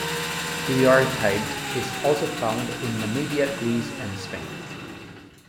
Briartite is also found in Namibia, Greece, and Spain.